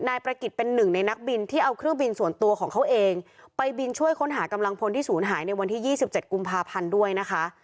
ประกิจเป็นหนึ่งในนักบินที่เอาเครื่องบินส่วนตัวของเขาเองไปบินช่วยค้นหากำลังพลที่ศูนย์หายในวันที่๒๗กุมภาพันธ์ด้วยนะคะ